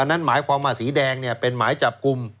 อันนั้นหมายความว่าสีแดงเป็นหมายจับกุม